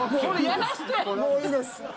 もういいです。